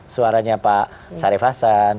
suaranya pak syarif hasan